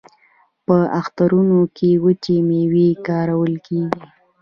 په اخترونو کې وچې میوې کارول کیږي.